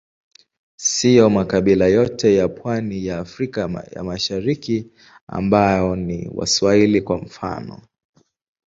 Siyo makabila yote ya pwani ya Afrika ya Mashariki ambao ni Waswahili, kwa mfano.